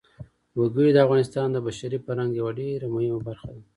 وګړي د افغانستان د بشري فرهنګ یوه ډېره مهمه برخه ده.